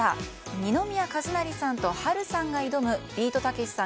二宮和也さんと波瑠さんが挑むビートたけしさん